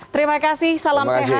terima kasih salam sehat